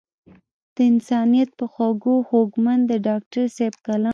د انسانيت پۀ خوږو خوږمند د ډاکټر صېب کلام